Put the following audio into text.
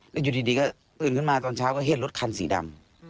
แล้วอยู่ดีก็ตื่นขึ้นมาตอนเช้าก็เห็นรถคันสีดำ